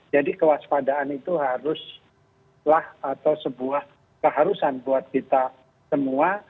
jadi kewaspadaan itu haruslah atau sebuah keharusan buat kita semua